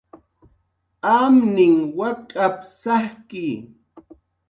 "Amninh wak'ap"" sajki"